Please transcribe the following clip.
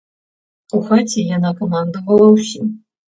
У хаце яна камандавала ўсім.